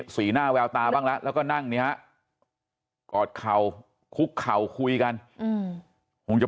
สีหน้าแววตาบ้างแล้วแล้วก็นั่งเนี่ยกอดเข่าคุกเข่าคุยกันคงจะ